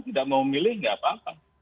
tidak mau milih nggak apa apa